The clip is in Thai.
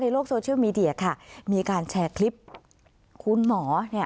โลกโซเชียลมีเดียค่ะมีการแชร์คลิปคุณหมอเนี่ย